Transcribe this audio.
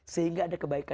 sehingga ada kebaikan